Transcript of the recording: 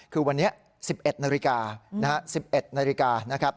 คือวันนี้๑๑นาฬิกานะครับ